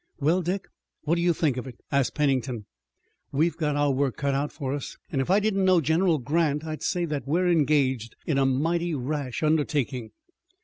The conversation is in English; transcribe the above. "Well, Dick, what do you think of it?" asked Pennington. "We've got our work cut out for us, and if I didn't know General Grant I'd say that we're engaged in a mighty rash undertaking."